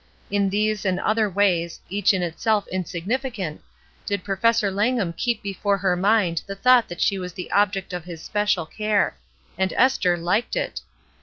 In these and other ways, each in itself insignificant, did Pro fessor Langham keep before her mind the thought that she was the object of his special care; and Esther liked it.